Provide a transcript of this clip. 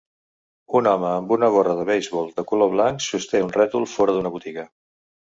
Un home amb una gorra de beisbol de color blanc sosté un rètol fora d'una botiga